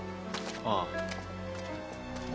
ああ。